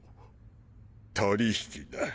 取引だ。